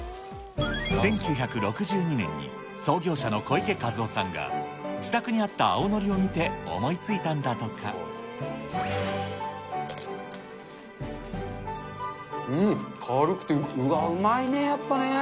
１９６２年に、創業者の小池和夫さんが、自宅にあった青のりを見て思いついたんうん、軽くてうわー、うまいね、やっぱね。